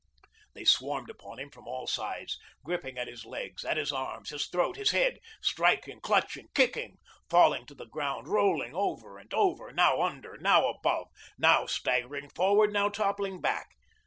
They swarmed upon him from all sides, gripping at his legs, at his arms, his throat, his head, striking, clutching, kicking, falling to the ground, rolling over and over, now under, now above, now staggering forward, now toppling back.